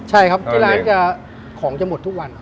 ใช่ครับที่ร้านจะของจะหมดทุกวัน